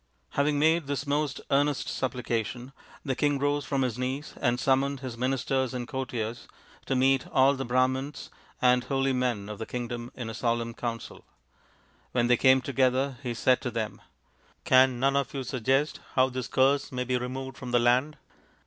Having made this most earnest supplication, the king rose from his knees and summoned his ministers and courtiers to meet all the Brahmans and holy men of the kingdom in a solemn council. When they 257 R 258 THE INDIAN STORY BOOK came together he said to them :" Can none of you suggest how this curse may be removed from the land